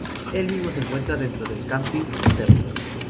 El mismo se encuentra dentro del camping "Los Cedros".